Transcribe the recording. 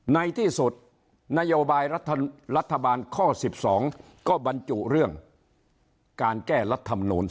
ในที่สุดนโยบายรัฐบาลข้อ๑๒ก็บรรจุเรื่องการแก้รัฐมนูล